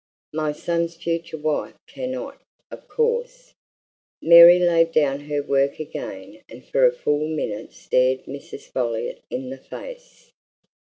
My son's future wife cannot, of course " Mary laid down her work again and for a full minute stared Mrs. Folliot in the face.